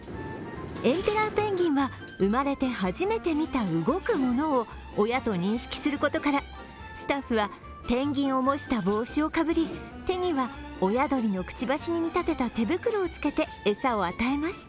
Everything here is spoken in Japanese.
エンペラーペンギンは生まれて初めて見た動くものを親と認識することからスタッフはペンギンを模した帽子をかぶり、手には親鳥のくちばしに見立てた手袋を手に餌を与えます。